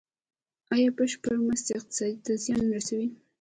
آیا بشري مرستې اقتصاد ته زیان رسوي؟